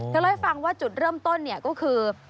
เล่าให้ฟังว่าจุดเริ่มต้นเนี่ยก็คือ